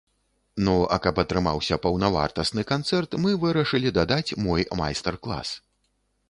Ну, а каб атрымаўся паўнавартасны канцэрт, мы вырашылі дадаць мой майстар-клас.